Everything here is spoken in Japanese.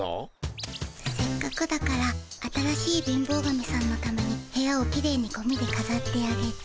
せっかくだから新しい貧乏神さんのために部屋をきれいにゴミでかざってあげて。